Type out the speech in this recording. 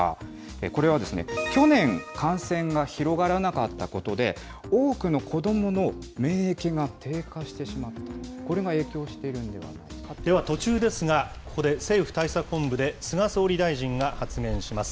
これは、去年感染が広がらなかったことで、多くの子どもの免疫が低下してしまった、これが影響しでは途中ですが、ここで政府対策本部で、菅総理大臣が発言します。